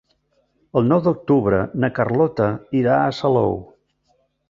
El nou d'octubre na Carlota irà a Salou.